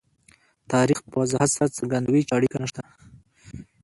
تاریخ په وضاحت سره څرګندوي چې اړیکه نشته.